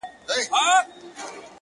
• څلوېښتم کال دی؛